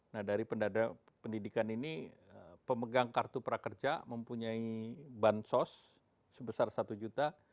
nah dari pendidikan ini pemegang kartu prakerja mempunyai bansos sebesar satu juta